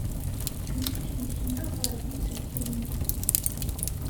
Nekk nneknaɣ ɣer yiselkimen.